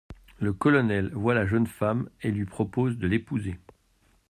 Le colonel voit la jeune femme et lui propose de l'épouser.